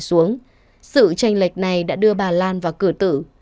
sự tranh lệch này đã đưa bà lan vào cử tử